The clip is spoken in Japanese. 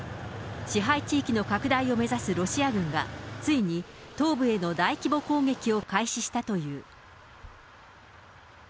支配地域の拡大を目指すロシア軍が、ついに東部への大規模攻撃を開始したという。